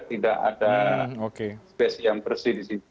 tidak ada space yang bersih di situ